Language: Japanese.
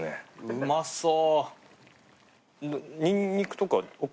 うまそう。